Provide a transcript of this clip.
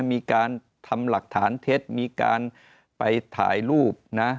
มีการทำหลักฐานเท็จมีการไปถ่ายรูปนะ